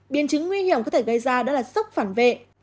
biến chứng nguy hiểm có thể gây ra đó là sốc phản vệ